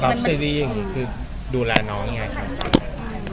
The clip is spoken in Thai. รับซีรีส์อย่างงี้คือดูแลน้องอย่างงี้ไง